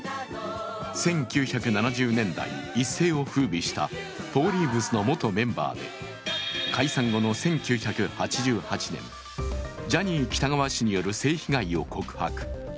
１９７０年代、一世をふうびしたフォーリーブスの元メンバーで、解散後の１９８８年、ジャニー喜多川氏による性被害を告白。